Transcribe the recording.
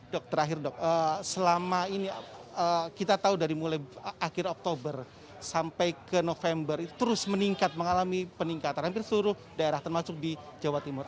dok terakhir dok selama ini kita tahu dari mulai akhir oktober sampai ke november terus meningkat mengalami peningkatan hampir seluruh daerah termasuk di jawa timur